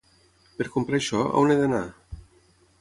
Per comprar això, on he d'anar?